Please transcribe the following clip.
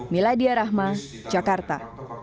miladia rahma jakarta